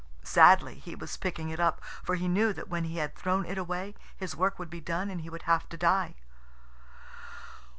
Sadly he was picking it up, for he knew that when he had thrown it away his work would be done and he would have to die.